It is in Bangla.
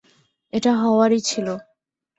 এটা হওয়ারই ছিলো।